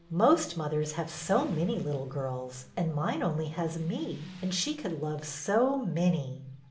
" Most mothers have so many little girls, and mine has only me, and she could love so many."